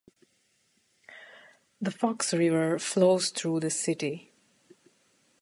The Fox River flows through the city.